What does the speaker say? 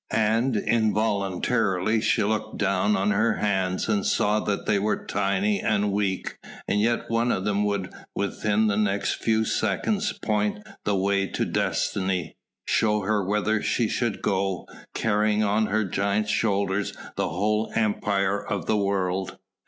And involuntarily she looked down on her hands and saw that they were tiny and weak, and yet one of them would within the next few seconds point the way to Destiny, show her whither she should go, carrying on her giant shoulders the whole empire of the world.